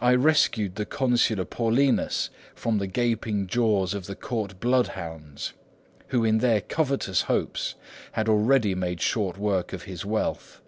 I rescued the consular Paulinus from the gaping jaws of the court bloodhounds, who in their covetous hopes had already made short work of his wealth.